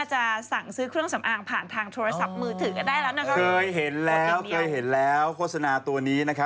ชุดสีชมพูผมเห็นแล้วสะดดตามาก